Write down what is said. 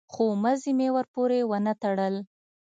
خو مزي مې ورپورې ونه تړل.